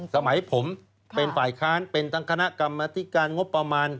สมัยผมเป็นฝ่ายค้านเป็นทั้งคณะกรรมธิการงบประมาณ